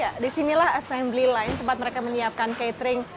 ya disinilah assembly line tempat mereka menyiapkan catering